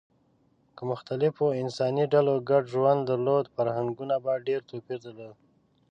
که مختلفو انساني ډلو ګډ ژوند درلود، فرهنګونو به ډېر توپیر درلود.